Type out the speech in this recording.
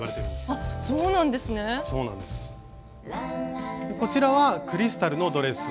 こちらはクリスタルのドレス。